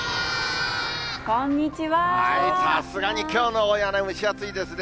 さすがにきょうの大屋根、蒸し暑いですね。